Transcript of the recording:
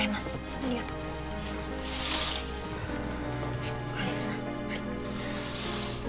ありがとう失礼します